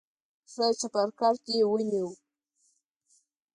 ښه چپرکټ دې ونیو.